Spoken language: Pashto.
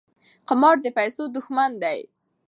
قمار د پیسو دښمن دی.